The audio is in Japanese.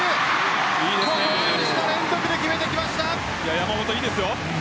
山本いいです。